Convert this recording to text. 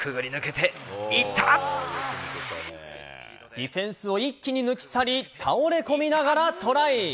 ディフェンスを一気に抜き去り、倒れ込みながらトライ。